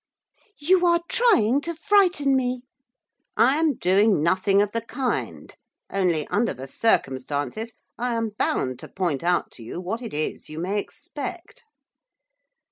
'You are trying to frighten me.' 'I am doing nothing of the kind, only, under the circumstances, I am bound to point out to you what it is you may expect.